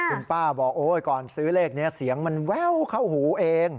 คุณป้าบอกโอ๊ยก่อนซื้อเลขนี้เสียงมันแววเข้าหูเอง